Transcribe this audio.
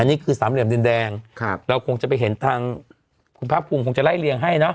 นี่คือสามเหลี่ยมดินแดงครับเราคงจะไปเห็นทางคุณภาคภูมิคงจะไล่เรียงให้เนอ